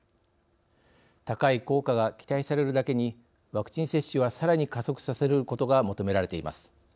高い効果が期待されるだけにワクチン接種はさらに加速させることが求められています。